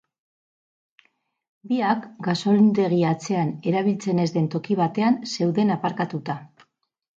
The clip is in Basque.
Biak, gasolindegi atzean erabiltzen ez den toki batean zeuden aparkatuta.